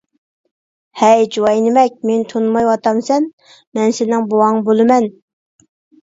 ھەي جۇۋايىنىمەك، مېنى تونۇمايۋاتامسەن، مەن سېنىڭ بوۋاڭ بولىمەن.